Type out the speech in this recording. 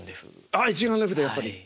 あ一眼レフでやっぱり。